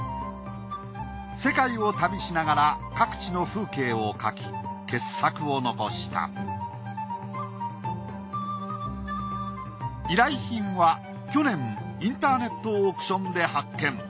世界を旅しながら各地の風景を描き傑作を残した依頼品は去年インターネットオークションで発見。